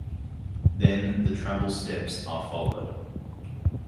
Then the travel steps are followed.